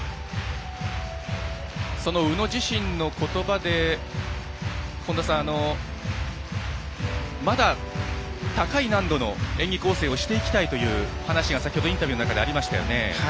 その宇野自身のことばでまだ、高い難度の演技構成をしていきたいという話が、先ほどインタビューの中でありましたよね。